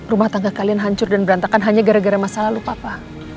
rumah tangga kalian hancur dan berantakan hanya gara gara masa lalu apa pak